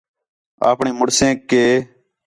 آپݨے مڑسیک کہ